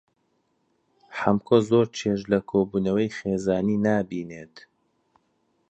حەمکۆ زۆر چێژ لە کۆبوونەوەی خێزانی نابینێت.